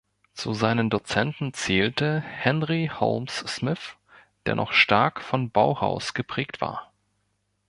Zu seinen Dozenten zählte Henry Holmes Smith, der noch stark von Bauhaus geprägt war.